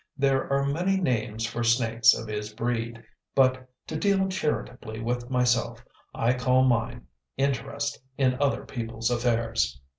There are many names for snakes of his breed, but, to deal charitably with myself, I call mine Interest In Other People's Affairs.